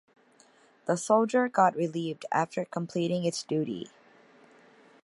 The soldier got relieved after completing its duty.